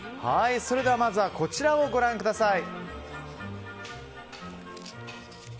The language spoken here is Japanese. それではまずはこちらをご覧ください。